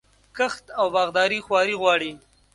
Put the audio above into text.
کښت او باغداري خواري غواړي.